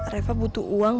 reva butuh uang